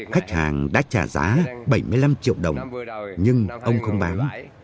khách hàng đã trả giá bảy mươi năm triệu đồng nhưng ông không bán